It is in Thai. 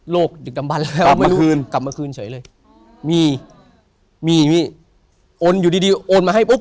โลกหยุดกำบันแล้วกลับมาคืนเฉยเลยมีมีนี่โอนอยู่ดีดีโอนมาให้ปุ๊บ